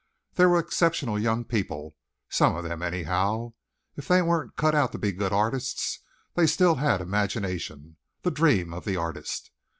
These were exceptional young people; some of them, anyhow. If they weren't cut out to be good artists they still had imagination the dream of the artist.